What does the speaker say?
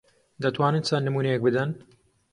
دەتوانن چەند نموونەیەک بدەن؟